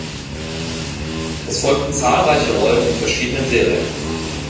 Es folgten zahlreiche Rollen in verschiedenen Serien.